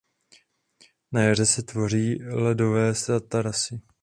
Na jaře se tvoří ledové zátarasy.